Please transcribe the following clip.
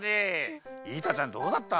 イータちゃんどうだった？